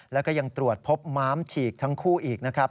แล้วก็ยังตรวจพบม้ามฉีกทั้งคู่อีกนะครับ